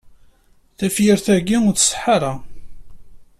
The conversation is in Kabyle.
Tafyirt-a ur tṣeḥḥa ara.